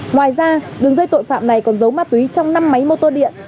ngoài ra đường dây tội phạm này còn dấu ma túy trong năm máy mô tô điện